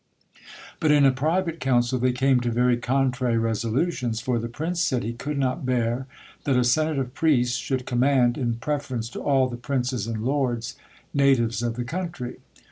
But in a private council, they came to very contrary resolutions: for the prince said, he could not bear that a senate of priests should command, in preference to all the princes and lords, natives of the country.